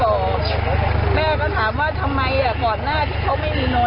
ก็คือรั้วไม่ได้ปิดนนท์ก็ต้องอยู่ในนี้